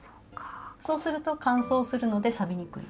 そうすると乾燥するのでさびにくい。